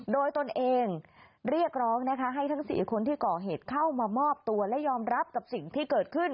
โดยตนเองเรียกร้องนะคะให้ทั้ง๔คนที่ก่อเหตุเข้ามามอบตัวและยอมรับกับสิ่งที่เกิดขึ้น